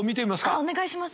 あっお願いします。